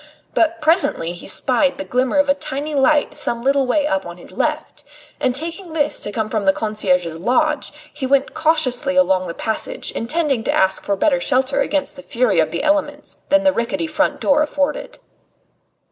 But presently he spied the glimmer of a tiny light some little way up on his left, and taking this to come from the concierge's lodge, he went cautiously along the passage intending to ask for better shelter against the fury of the elements than the rickety front door afforded.